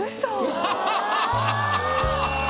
うわ！